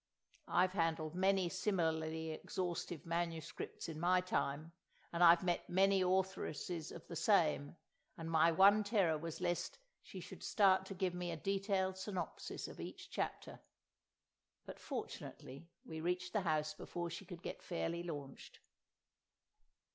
I've handled many similarly exhaustive MSS. in my time, and I've met many authoresses of the same, and my one terror was lest she should start to give me a detailed synopsis of each chapter. But fortunately we reached the house before she could get fairly launched.